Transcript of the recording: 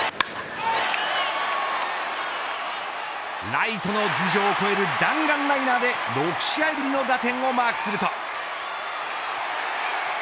ライトの頭上を越える弾丸ライナーで６試合ぶりの打点をマークすると。